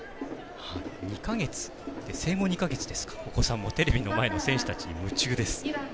生後２か月のお子さんもテレビの前の選手たちに夢中です。